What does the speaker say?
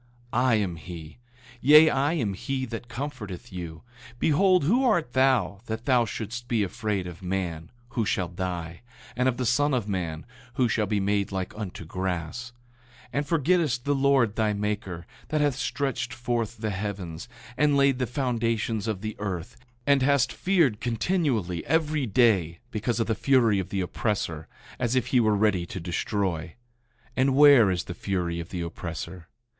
8:12 I am he; yea, I am he that comforteth you. Behold, who art thou, that thou shouldst be afraid of man, who shall die, and of the son of man, who shall be made like unto grass? 8:13 And forgettest the Lord thy maker, that hath stretched forth the heavens, and laid the foundations of the earth, and hast feared continually every day, because of the fury of the oppressor, as if he were ready to destroy? And where is the fury of the oppressor?